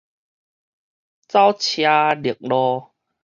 走車碌路